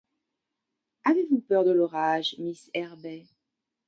Avez-vous peur de l’orage, miss Herbey ?